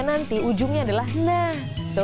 coba pada intinya nanti ujungnya adalah nah